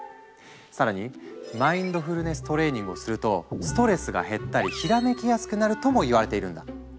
更にマインドフルネス・トレーニングをするとストレスが減ったりひらめきやすくなるともいわれているんだ。